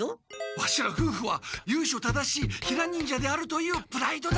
ワシらふうふはゆいしょ正しいヒラ忍者であるというプライドだ。